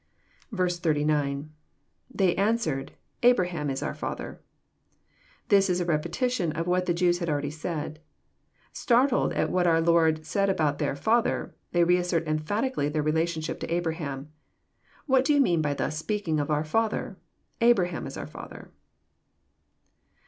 ^B. ^lThey answered,.. Abraham is our father,"] This Is a repeti tion of what the Jews had already said. Startled at what our Lord said about their '' father," they reassert emphatically their relationship to Abraham.—'* What do you mean by thus speak ing of our father? Abraham is our father."